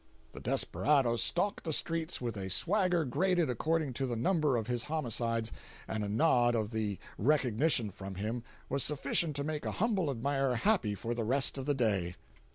The desperado stalked the streets with a swagger graded according to the number of his homicides, and a nod of recognition from him was sufficient to make a humble admirer happy for the rest of the day.